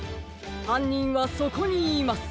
はんにんはそこにいます。